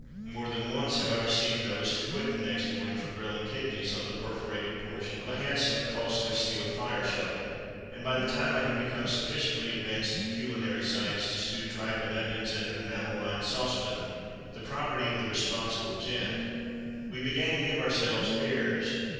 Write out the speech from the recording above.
More than once have I received notice to quit the next morning for grilling kidneys on the perforated portion of a handsome and costly steel fire shovel. And by the time I had become sufficiently advanced in culinary science to stew tripe and onions, in an enamel lined saucepan, the property of the "responsible gent," we began to give ourselves airs.